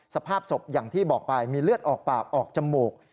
สภาพศพอย่างที่บอกไปมีเลือดออกปากออกจมูก